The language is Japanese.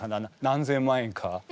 何千万円か。